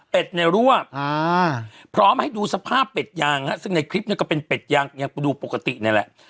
เป็นในรั่วพร้อมให้ดูสภาพเป็ดยางฮะซึ่งในคลิปเนี่ยก็เป็นเป็ดยางยังดูปกตินี่แหละ